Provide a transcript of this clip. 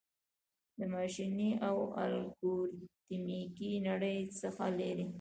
د ماشیني او الګوریتمیکي نړۍ څخه لیري